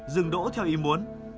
dừng đỗ theo ý muốn